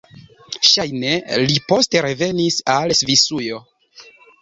Ŝajne li poste revenis al Svisujo.